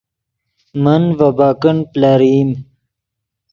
من ڤے بیکنڈ پلرئیم